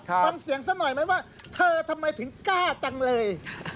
ฟังเสียงซะหน่อยไหมว่าเธอทำไมถึงกล้าจังเลย